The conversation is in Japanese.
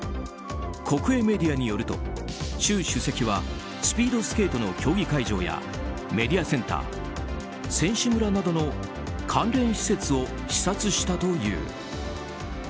国営メディアによると、習主席はスピードスケートの競技会場やメディアセンター選手村などの関連施設を視察したという。